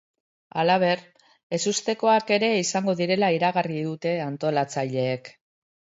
Halaber, ezustekoak ere izango direla iragarri dute antolazatileek.